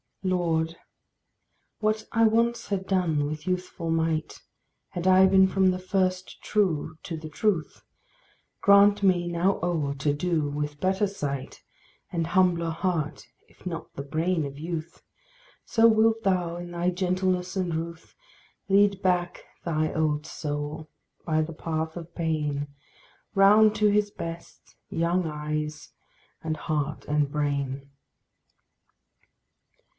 LORD, what I once had done with youthful might, Had I been from the first true to the truth, Grant me, now old, to do with better sight, And humbler heart, if not the brain of youth; So wilt thou, in thy gentleness and ruth, Lead back thy old soul, by the path of pain, Round to his best young eyes and heart and brain.